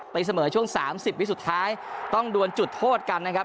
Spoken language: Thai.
เสมอช่วง๓๐วิสุดท้ายต้องดวนจุดโทษกันนะครับ